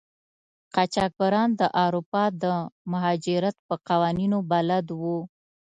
قاچاقبران د اروپا د مهاجرت په قوانینو بلد وو.